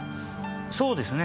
そうですね。